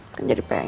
kan jadi pengen